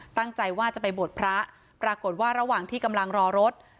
ตั้งใจว่าจะไปบวชพระปรากฏว่าระหว่างที่กำลังรอรถ